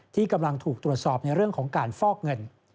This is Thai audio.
ที่กำลังถูกตรวจสอบในเรื่องของการฟอกเงิน